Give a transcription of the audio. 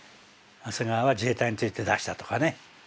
長谷川は自衛隊について出したとかね。